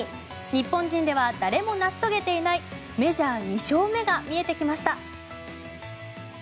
日本人では誰も成し遂げていないメジャー２勝目が見えてきました。